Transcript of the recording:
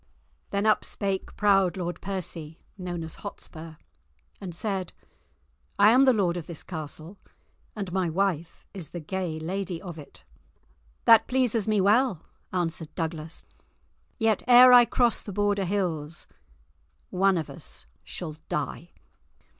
Then up spake proud Lord Percy, known as Hotspur, and said, "I am the lord of this castle, and my wife is the gay lady of it." "That pleases me well," answered Douglas, "yet, ere I cross the Border hills, one of us shall die."